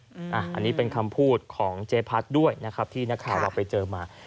อันนี้เป็นคำพูดของเจ๊พัดด้วยนะครับที่นักข่าวเราไปเจอมา